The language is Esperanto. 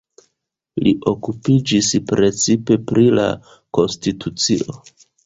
Li okupiĝis precipe pri la konstitucio.